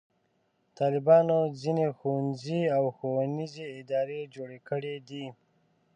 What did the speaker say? طالبانو ځینې ښوونځي او ښوونیزې ادارې جوړې کړې دي.